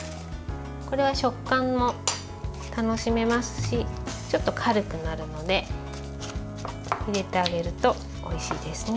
これは食感も楽しめますしちょっと軽くなるので入れてあげると、おいしいですね。